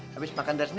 habis makan dari sini